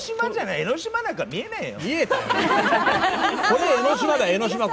江の島なんか見えねえよ。